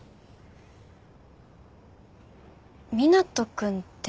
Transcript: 湊斗君ってさ。